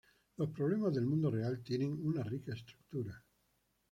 Los problemas del mundo real tienen una rica estructura.